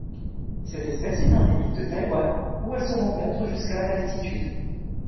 Cette espèce est endémique de Taïwan où elle se rencontre jusqu'à d'altitude.